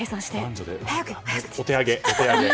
お手上げ。